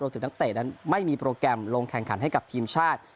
ถึงนักเตะนั้นไม่มีโปรแกรมลงแข่งขันให้กับทีมชาติ